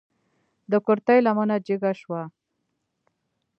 د کورتۍ لمنه جګه شوه.